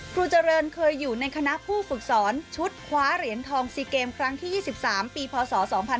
ครูเจริญเคยอยู่ในคณะผู้ฝึกสอนชุดคว้าเหรียญทอง๔เกมครั้งที่๒๓ปีพศ๒๕๖๒